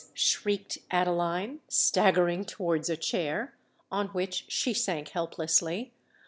shrieked Adeline, staggering towards a chair, on which she sank helplessly.